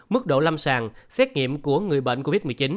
mức độ lâm sàng xét nghiệm của người bệnh covid một mươi chín